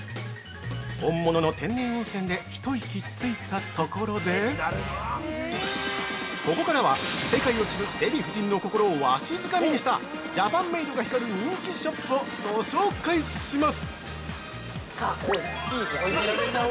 ◆本物の天然温泉で一息ついたところでここからは、世界を知るデヴィ夫人の心をわしづかみにしたジャパンメイドが光る人気ショップをご紹介します！